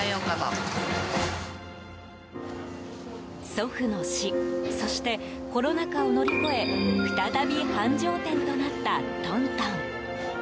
祖父の死そしてコロナ禍を乗り越え再び繁盛店となった東東。